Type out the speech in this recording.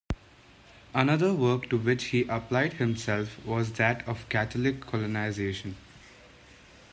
Another work to which he applied himself was that of Catholic colonization.